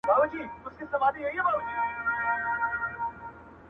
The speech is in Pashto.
څوك چي د سترگو د حـيـا له دره ولوېــــږي